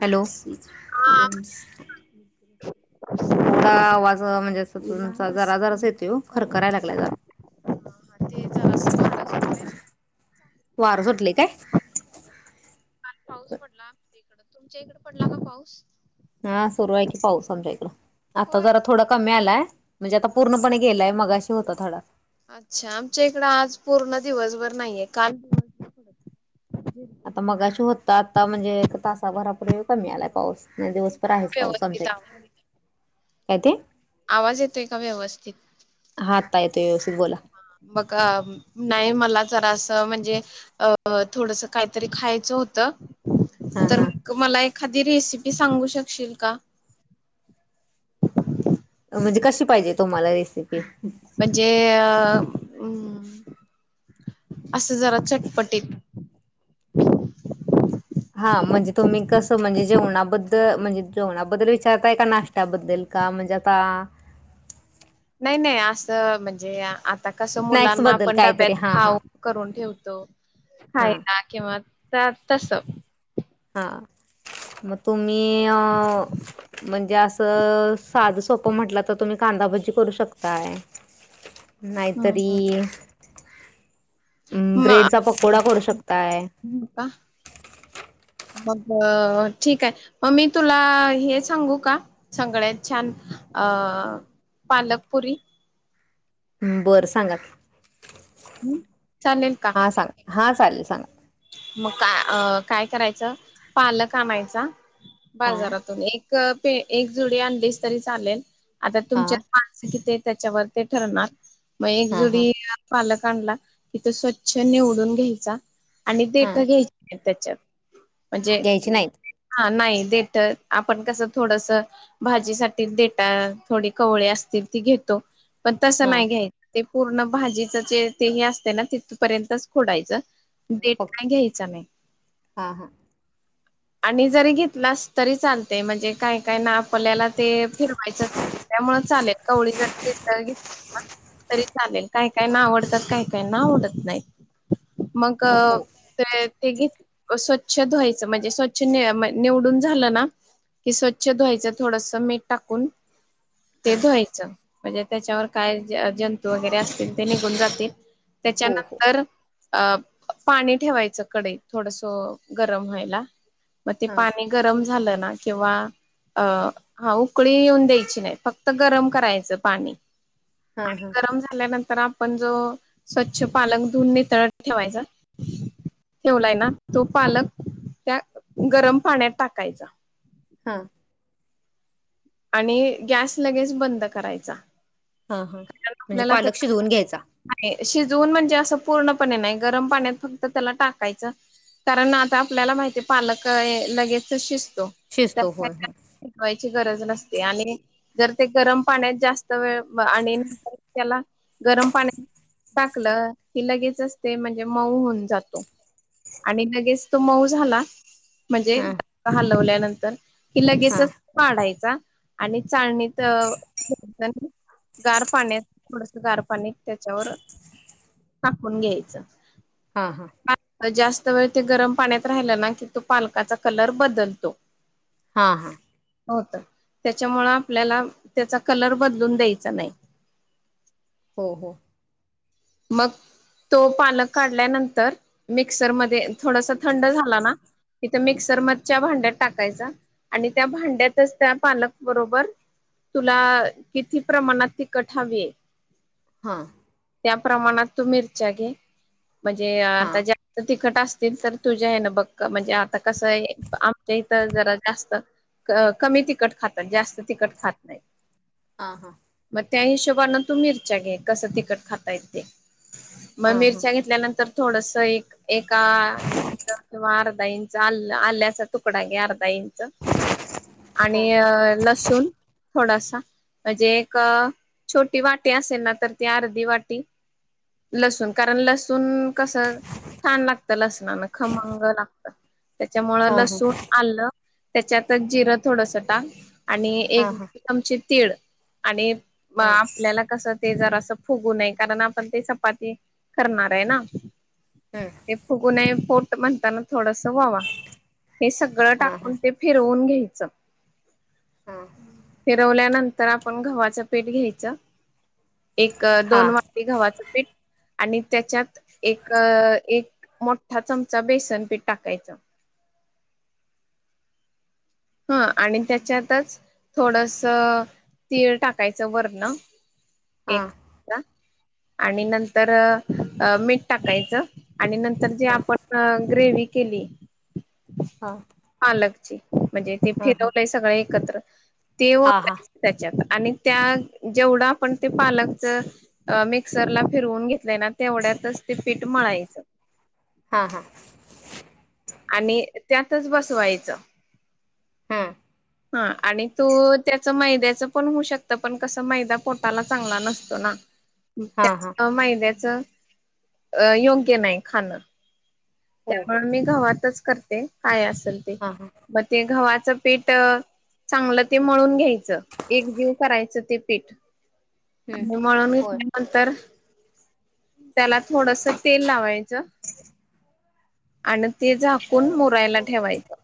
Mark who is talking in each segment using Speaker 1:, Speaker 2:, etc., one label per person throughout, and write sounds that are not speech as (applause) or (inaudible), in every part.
Speaker 1: Hello,
Speaker 2: हा
Speaker 1: थोडा आवाज म्हणजे असं तुमचा जराजरासा येतोय ओ. खरखराय लागला जरा.
Speaker 2: हा ते जरासं वारं सुटलंय ना
Speaker 1: वार सुटले काय?
Speaker 2: काल पाऊस पडला आमच्या इकडं. तुमच्या इकडं पडलां कां पाऊस?
Speaker 1: हा सुरु आहे की पाऊस आमच्या इकडं. आता
Speaker 2: होय
Speaker 1: जरा थोडं कमी आलाय. म्हणजे आता
Speaker 2: हा हा
Speaker 1: पूर्णपणे गेलाय. मगाशी होता थोडा.
Speaker 2: अच्छा! आमच्या इकडं आज पूर्ण दिवसंभर नाहीये. काल दिवसभर पडत होता.
Speaker 1: आता
Speaker 2: झिरझिर
Speaker 1: मगाशी होता. आता म्हणजे एका तासाभरापूर्वी कमी आलाय पाऊस नाही
Speaker 2: आता
Speaker 1: दिवस
Speaker 2: येतोय
Speaker 1: तरं
Speaker 2: का
Speaker 1: आहेचं पाऊस आमच्या
Speaker 2: व्यवस्थित आवाज
Speaker 1: इकडं. कायं ते?
Speaker 2: आवाज येतोय का व्यवस्थित?
Speaker 1: हा, आत्ता येतोय व्यवस्थित. बोला.
Speaker 2: बघा, नाही मला जरासं म्हणजे अ थोडंसं कांहीतरी खायचं होतं.
Speaker 1: हा
Speaker 2: तर
Speaker 1: हा
Speaker 2: मग मला एखादी रेसिपी सांगू शकशील का?
Speaker 1: म्हणजे कशी पाहिजे तुम्हांला रेसिपी?
Speaker 2: म्हणजे अ अं, असं जरा चटपटीत.
Speaker 1: हां, म्हणजे तुम्हीं कसं, म्हणजे जेवणाबद्दल म्हणजे जेवणाबद्दल विचारतांय. का नाष्ट्या त्यांबद्दल. कां म्हणजे आता
Speaker 2: नाही -नाही. असं, म्हणजे आ आता कसं,
Speaker 1: स्नॅक्स
Speaker 2: मुलांना
Speaker 1: बद्दल
Speaker 2: आपण
Speaker 1: काहीतरी
Speaker 2: डब्यात
Speaker 1: हा हा
Speaker 2: खाऊ करून ठेवतो,
Speaker 1: हा
Speaker 2: खायला. किंवा त्या, तसं.
Speaker 1: हां. मग तुम्हीं अ म्हणजे असं, साधं सोपं म्हटलं तर, तुम्हीं कांदाभजी करू शकताय.
Speaker 2: हम्म
Speaker 1: नाहीतरी
Speaker 2: मा
Speaker 1: ब्रेडचा पकोडा करू शकताय
Speaker 2: (unintelligible) का. मग अ ठीकाय. मग मी तुला, हे सांगू का? सगळ्यांत छान. अ पालकपुरी.
Speaker 1: बरं, सांगा की.
Speaker 2: अं, चालेल का?
Speaker 1: हां, सांगा. हां. चालेल, सांगा.
Speaker 2: मग का अ, काय करायचं? पालक आणायचा.
Speaker 1: हा
Speaker 2: बाजारातून एक क पे एक जुडी आणलीस तरी चालेल. आता
Speaker 1: हा
Speaker 2: तुमच्यात माणसं कितीयत, त्याच्यावर ते ठरणार. मग एक
Speaker 1: हा हा
Speaker 2: जुडी पालक आणला. की, तो स्वच्छ निवडून घ्यायचा. आणि
Speaker 1: हा
Speaker 2: देट घ्यायची (unintelligible) त्यांच्यात. म्हणजे
Speaker 1: घ्यायची नाहीत
Speaker 2: हा, नाही. देट आपण कसं, थोडंसं भाजीसाठी देटा, थोडी कवळी असतील ती घेतो. पण तसं
Speaker 1: हा
Speaker 2: नाही घ्यायचं. ते पूर्ण भाजीच जे ते हे असतंय, ना. तिथपर्यंतच खुडायचं. देट
Speaker 1: फक्त
Speaker 2: काय घ्यायचं नाही.
Speaker 1: हा (unintelligible)
Speaker 2: आणि जरी घेतलास तरी चालतय. म्हणजे काय - काय ना, आपल्याला ते फिरवायचं त्यामूळं चालेल. कवळी जरी देठं घेतली ना. तरी चालेल. काही - काही ना आवडतात. काही - काहींना आवडतं नाहीत. क
Speaker 1: हो
Speaker 2: ते ते घे स्वच्छ धुवायचं. म्हणजे, स्वच्छ ने म निवडून झालं ना की, स्वच्छ धुवायच. थोडंसं, मीठ टाकून ते
Speaker 1: हा
Speaker 2: धुवायचं. म्हणजे, त्यांच्यावर काय जंतू वगैरे असतील. ते निघून जातील.
Speaker 1: हो हो
Speaker 2: त्याच्यानंतर अ पाणी ठेवायचं कडईत थोडस, गरम व्हायला. मग ते
Speaker 1: हा
Speaker 2: पाणी गरम झालं ना. किंवा अं ह उकळी येऊन द्यायची नाही. फक्त गरम करायचं पाणी.
Speaker 1: हा,
Speaker 2: आणि
Speaker 1: हा.
Speaker 2: गरम झाल्यानंतर आपण जो, स्वच्छ पालक धुवून नितळत ठेवायचा. ठेवलाय ना. तो पालक, त्या गरम पाण्यात टाकायचा.
Speaker 1: हा.
Speaker 2: आणि, गॅस लगेच बंद करायचा.
Speaker 1: हा, हा.
Speaker 2: कारण
Speaker 1: म्हणजे
Speaker 2: आपल्याला
Speaker 1: पालक
Speaker 2: त्या
Speaker 1: शिजवून घ्यायचा.
Speaker 2: नाही. शिजवून म्हणजे असं पूर्णपणे नाही. गरम पाण्यात फक्त त्याला टाकायचं. कारण आता आपल्याला माहितीय. पालक ये लगेच शिजतो.
Speaker 1: शिजतो
Speaker 2: त्याला काय
Speaker 1: होय होय
Speaker 2: जास्त शिजवायची गरज नसतीय. आणि जर ते गरम पाण्यात जास्त वेळ मगं आणि न त्याला नंतर त्याला गरम पाणी टाकलं की लगेचचते म्हणजे मऊ होऊन जातो आणि लगेच तो मऊ झाला म्हणजे
Speaker 1: हा
Speaker 2: हलवल्यानंतर कि
Speaker 1: हा
Speaker 2: लगेचच पाडायचा आणि चाळणीत (unintelligible) गार पाण्यात, थोडस गार पाणी त्याच्यावर टाकून घ्यायचं
Speaker 1: हा
Speaker 2: हां जास्त वेळ ते गरम पाण्यात राहिलं ना की तो पालकाचा कलर बदलतो
Speaker 1: हा, हा
Speaker 2: हो तर त्याच्यामुळ आपल्याला त्याचा कलर बदलून द्यायचा नाही
Speaker 1: हो, हो
Speaker 2: मगं तो पालक काढल्यानंतर मिक्सरमध्ये थोडंसं थंड झाला ना इथं मिक्सर मधच्या भांड्यात टाकायचा आणि त्या भांड्यातच त्या पालक बरोबर तुला किती प्रमाणात ती तिखट हवीय
Speaker 1: हा
Speaker 2: त्या प्रमाणात तू मिरच्या घे म्हणजे
Speaker 1: हां
Speaker 2: आता जास्त तिख तिखट असतील तर तुझ्या हेन बघ म्हणजे आता कसं आहे आमच्या इथ जरा जास्तं अ कमी तिखट खातात जास्त तिखट खात नाहीत
Speaker 1: हा, हा
Speaker 2: मग त्या हिशोबान तू मिरच्या घे कसं तिखट खातायेत ते मग
Speaker 1: हां हां
Speaker 2: मिरच्या घेतल्यानंतर थोडस एक एका किंवा अर्ध अर्धा इंच आल्या, आल्याचा तुकडा घे अर्धा इंच आणि लसूण थोडासा म्हणजे एक छोटी वाटी असेल ना तर ती अर्धी वाटी टी लसूण कारण लसूण कसं छान लागतं लसणान खमंग लागत त्याच्यामुळ
Speaker 1: हां हां
Speaker 2: लसूण आलं त्याच्यातच जिरं थोडस टाक आणि
Speaker 1: हां
Speaker 2: एक
Speaker 1: हां हां
Speaker 2: चमचे तीळ आणि
Speaker 1: हां
Speaker 2: आपल्याला कसं ते जरां फुगू नये कारण आपण ते चपाती करणार आहे ना
Speaker 1: ह
Speaker 2: ते फुगूनये पोट म्हणताना थोडस ओवा हे सगळं
Speaker 1: हं हां हां
Speaker 2: टाकून ते फिरवून घ्यायचं फिरवल्यानंत तर आपण गव्हाच पीठ घ्यायच एक दोन
Speaker 1: हां हां हां
Speaker 2: वा गव्हाचं पीठ आणि त्याच्यात एक, एक मो ठा चमचा बेसनपीठ टाकायचं ह आणि त्याच्यातच थोडस तीळ टाकायचं वरन एक
Speaker 1: हां
Speaker 2: चमचा आणि नंतर मीठ टाकायचं आणि नंतर ती आपण ग्रेवी केली
Speaker 1: हा
Speaker 2: पालकची म्हणजे ते फिरवलंय सगळ एकत्र ते
Speaker 1: हां
Speaker 2: ओताय त्याच्यात आणि त्या जेवढं आपण ते पालकच अ मिक्सरला फिरवून घेतलंय ना तेवढ्यातच ते पीठ मळायचं
Speaker 1: हा, हा
Speaker 2: आणि त्यातच बसवायचं
Speaker 1: हा.
Speaker 2: हा आणि तो त्याच मैद्याचं पण होऊ शकत, पण कसं मैदा पोटाला चांगला नसतो ना.
Speaker 1: हा, हा,
Speaker 2: त्या मैद्याच योग्य नाही खाणं.
Speaker 1: हो हो
Speaker 2: त्यामूळे मी गवातच करते. काय असेल ते
Speaker 1: हां हां
Speaker 2: मग ते गव्हाचं पीठ चांगलं ते मळून घ्यायचं, एक जीव करायचं ते पीठ.
Speaker 1: हं
Speaker 2: आणि मळून
Speaker 1: होय
Speaker 2: घेतले. नंतर, त्याला थोडस तेल लावायचं. आणि ते झाकून मुरायला ठेवायचं.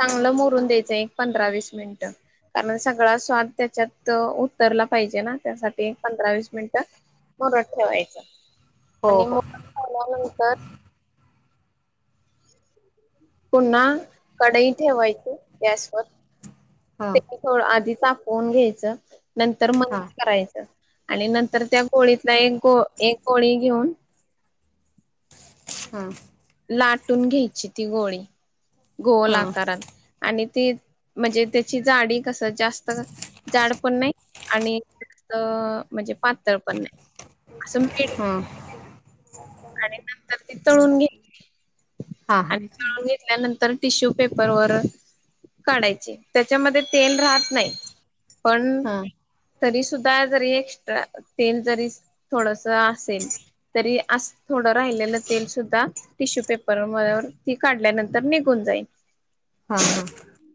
Speaker 2: चांगलं मुरून द्यायचं एक पंधरा वीस मिनिटं. कारण सगळा स्वाद त्याच्यात उतरला पाहिजे ना, त्यासाठी पंधरा वीस मिनिटं मुरत ठेवायच,
Speaker 1: हो
Speaker 2: आणि
Speaker 1: हो
Speaker 2: मुरून झाल्यानंतर पुन्हा कडई ठेवायची गॅसवर
Speaker 1: हां
Speaker 2: ते हो आधी तापवून घ्यायचं, नंतर मंद
Speaker 1: हां
Speaker 2: करायचं. आणि नंतर त्या गोळीतला एक गो एक गोळी घेऊन
Speaker 1: हा.
Speaker 2: लाटून घ्यायची ती गोळी गोल
Speaker 1: हां
Speaker 2: आकारात आणि ती म्हणजे त्याची जाडी कसं, जास्त जाड पण नाही आणि असं म्हजे पाताळ पण नाही असं म
Speaker 1: हां
Speaker 2: आणि नंतर ती तळून घेतली,
Speaker 1: हां
Speaker 2: आणि तळून घेत काढल्यानंतर टिश्यू पेपर वर काढायचे, त्याच्यामध्ये तेल राहत नाही. पण
Speaker 1: हां
Speaker 2: तरी सुद्धा जरी एक्स्ट्रा तेल जरी थोडस असेल तरी अस थोडं राहिलेलं तेल सुद्धा टिश्यू पेपर वर ती काढल्यानंतर निघून जाईल.
Speaker 1: हा हा,,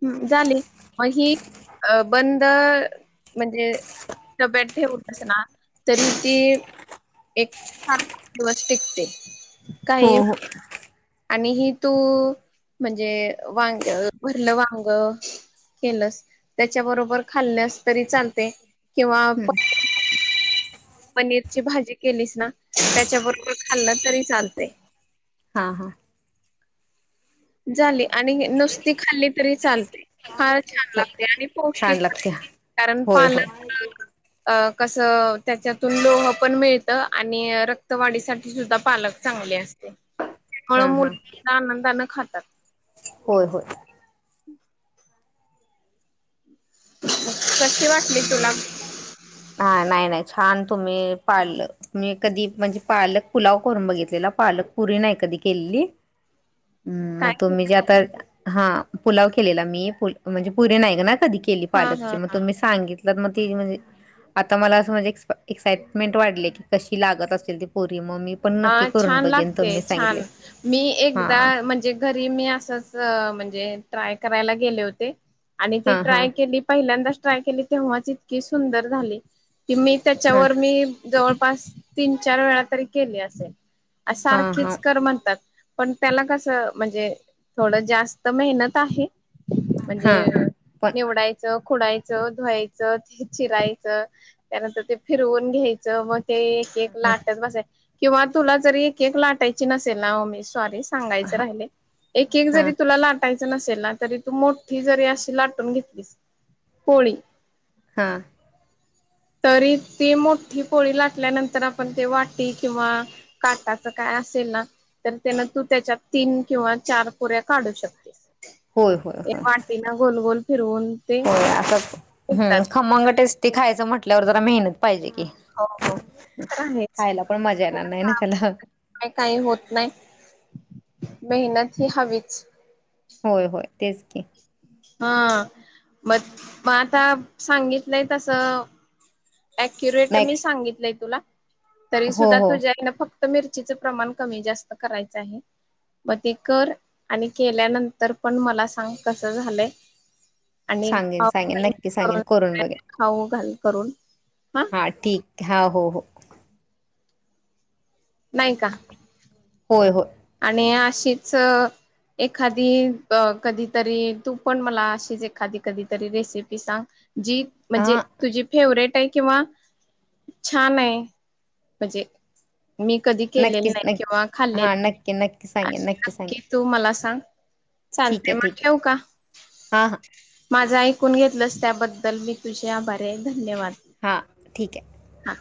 Speaker 2: ह झाली, मग ही बंद म्हणजे डब्यात ठेवून अस ना, तरी ती- ठीक ठीक
Speaker 1: हो हो
Speaker 2: आणि हि तू, म्हणजे वांग भरलं वांग केलस त्याच्याबरोबर खाल्ल्यास तरी चालते. किंवा पनीर
Speaker 1: (inaudible)
Speaker 2: पनीरची भाजी केलीस ना, त्याच्या बरोबर खाल्लं तरी चालते.
Speaker 1: हा हा,,
Speaker 2: झाली, आणि नुसती खाल्ली तरी चालते. फार छान
Speaker 1: हो
Speaker 2: लागते. आणि पौष्टिकपणे कारण पालक
Speaker 1: हा (inaudible)
Speaker 2: अ कसं त्याच्यातून लोह पण मिळतं, आणि रक्तवाढीसाठी सुद्धा पालक चांगले असत. त्यामु
Speaker 1: हां
Speaker 2: मु (unintelligible)
Speaker 1: हां
Speaker 2: लांना आनंदने खातात
Speaker 1: होय होय
Speaker 2: (inaudible) कशी वाटली तुला? (inaudible)
Speaker 1: हा नाही नाही छान तुम्ही पाळलं मी कधी म्हणजे पालक पुलाव करून बघितलेला, पालक पुरी नाही कधी केलेली (inaudible) ह मग
Speaker 2: काय
Speaker 1: तुम्ही जे आता हा पुलाव केलेला मी म्हणजे पुरी नाई ना कधी केली.
Speaker 2: हा
Speaker 1: पालकची
Speaker 2: हा
Speaker 1: मग
Speaker 2: हा
Speaker 1: तुम्ही सांगितलं मग ती म्हणजे आता मला असं म्हणजे एक एक्साइटमेंट वाढली. की कशी लागत असेल ती पूरी मग मी पण नक्की
Speaker 2: हा
Speaker 1: करून
Speaker 2: छान
Speaker 1: बघेन
Speaker 2: लागते.
Speaker 1: तुम्ही
Speaker 2: छान.
Speaker 1: सांगितले
Speaker 2: मी
Speaker 1: हा
Speaker 2: एकदा म्हणजे घरी मी असच म्हणजे ट्राय करायला गेले होते. आणि ती
Speaker 1: हा हा
Speaker 2: ट्राय केली पहिल्यांदाच ट्राय केली. तेव्हा ती इतकी सुंदर झाली. की मी
Speaker 1: हा
Speaker 2: त्याच्यावर मी जवळपास तीन चार वेळा तरी केली असेल.
Speaker 1: हा हा
Speaker 2: सारखीच कर म्हणतात. पण त्याला कस म्हणजे थोडं जास्त मेहनत आहे.
Speaker 1: हा
Speaker 2: म्हणजे,
Speaker 1: पण
Speaker 2: निवडायचं, खुडायचं, धुवायचं ते चिरायचं. त्यानंतर ते फिरवून घ्यायचं. मग ते एक एक लाटत बसा किंवा तुला जरी एक एक लाटायची नसेल ना. मी सॉरी सांगायचं राहिले. एक एक
Speaker 1: हा
Speaker 2: जरी तुला लाटा यचे नसेल ना. तरी तू मोठी जरी अशी लाटून घेतलीस पोळी.
Speaker 1: हा,
Speaker 2: तरी ती मोठी पोळी लाटल्यानंतर, आपण ते वाटी किंवा काटाचं काय असेल ना, तर त्याला तू त्याच्यात तीन किंवा चार पुऱ्या काढू शकतेस.
Speaker 1: होय होय
Speaker 2: हे
Speaker 1: होय
Speaker 2: वाटीन गोलगोल फिरवून. ते
Speaker 1: होय असं असतं. हम
Speaker 2: निघतात
Speaker 1: खमंग टेस्टी खायचं म्हटल्यावर, जरा मेहनत पाहिजे की
Speaker 2: हो हो तर
Speaker 1: खायला पण मजा येणार नाही ना. त्याला
Speaker 2: का काही होत नाही. मेहनत ही हवीच.
Speaker 1: होय होय. तेच की
Speaker 2: हा. मग मग आता सांगितलंय तसं अक्युरेट
Speaker 1: नाही
Speaker 2: मी सांगितलंय तुला तरी
Speaker 1: हो
Speaker 2: सुद्धा
Speaker 1: हो
Speaker 2: तुझ्या आईने फक् तर मिरचीचं प्रमाण कमी जास्त करायचं आहे. मग ते कर. आणि केल्यानंतर पण मला सांग कस झालंय आणि
Speaker 1: सांगेन
Speaker 2: खाऊ
Speaker 1: सांगेन
Speaker 2: घालून
Speaker 1: नक्की सांगेन
Speaker 2: करून.
Speaker 1: बघेन
Speaker 2: खाऊ घाल करून
Speaker 1: हा ठीक हा. हो हो.
Speaker 2: नाहीय का.
Speaker 1: होय होय.
Speaker 2: आणि अशीच अ. एखादी अ कधीतरी तू पण मला अशीच एखादी कधीतरी रेसिपी सांग? जी म्हणजे,
Speaker 1: हा
Speaker 2: तुझी फेवरेट आहे. किंवा छान आहे म्हणजे, मी कधी केलेले नाही. किंवा खाल्ले
Speaker 1: ल. नक्की सांगेन. नक्की सांगेन.
Speaker 2: तू मला सांग
Speaker 1: ठीक
Speaker 2: चालतेय.
Speaker 1: आहे
Speaker 2: मग
Speaker 1: ठीक आहे
Speaker 2: ठेऊ का.
Speaker 1: हां हां
Speaker 2: माझं ऐकून घेतलंस त्याबद्दल मी तुझे आभारी आहे. धन्यवाद.
Speaker 1: हां, ठीक आहे.
Speaker 2: हा